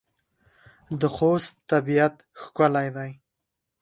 د خوست طبيعت ښکلی دی.